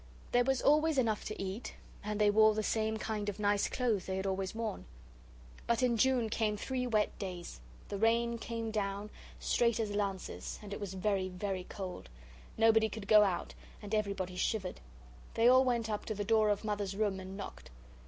There was always enough to eat, and they wore the same kind of nice clothes they had always worn. But in June came three wet days; the rain came down, straight as lances, and it was very, very cold. Nobody could go out, and everybody shivered. They all went up to the door of Mother's room and knocked.